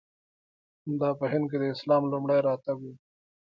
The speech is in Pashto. دا په هند کې د اسلام لومړی راتګ و.